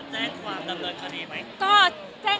แจ้งความดำเนินคดีไหม